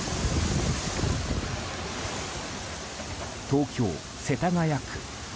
東京・世田谷区。